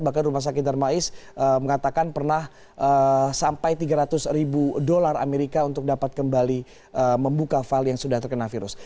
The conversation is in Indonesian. bahkan rumah sakit darmais mengatakan pernah sampai tiga ratus ribu dolar amerika untuk dapat kembali membuka file yang sudah terkena virus